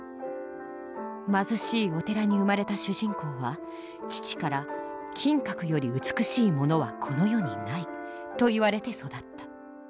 貧しいお寺に生まれた主人公は父から「金閣より美しいものはこの世にない」と言われて育った。